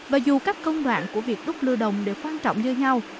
và dù các công đoạn của việc đúc lưu đồng đều quan trọng với nhau